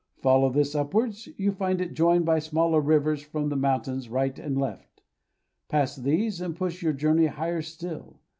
Follow this upwards; you find it joined by smaller rivers from the mountains right and left. Pass these, and push your journey higher still.